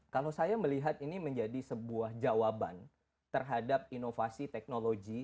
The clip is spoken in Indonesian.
kalau saya melihat ini menjadi sebuah jawaban terhadap inovasi teknologi